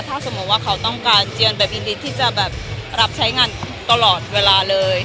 ถ้าสมมุติว่าเขาต้องการเจียนเบบีนิตที่จะแบบรับใช้งานตลอดเวลาเลย